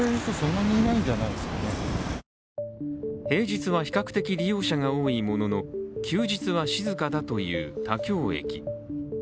平日は比較的利用者が多いものの、休日は静かだという田京駅。